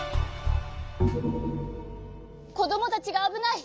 こどもたちがあぶない。